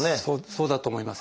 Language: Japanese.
そうだと思いますね。